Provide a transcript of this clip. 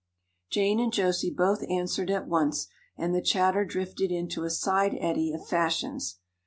Jane and Josie both answered at once and the chatter drifted into a side eddy of fashions.